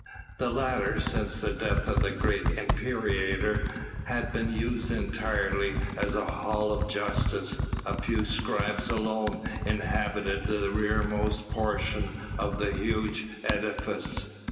The latter, since the death of the great imperator, had been used entirely as a hall of justice: a few scribes alone inhabited the rearmost portion of the huge edifice.